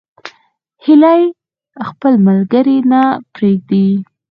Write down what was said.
هیلۍ خپل ملګري نه پرېږدي